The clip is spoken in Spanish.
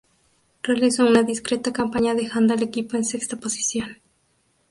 Realizó una discreta campaña dejando al equipo en sexta posición.